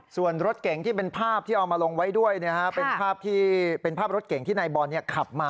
ส่วนรถเก่งที่เป็นภาพที่เอามาลงไว้ด้วยเป็นภาพที่เป็นภาพรถเก่งที่นายบอลขับมา